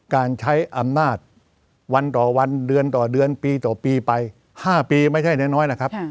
การใช้อำนาจวันต่อวันเดือนต่อเดือนปีต่อปีไป๕ปีไม่ใช่น้อยนะครับ